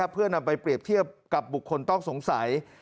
เพื่อนำไปเปรียบเทียบกับบุคคลต้องสงสัย